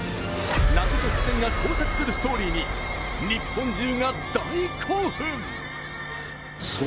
謎と伏線が交錯するストーリーに日本中が大興奮！